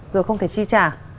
rồi không thể chi trả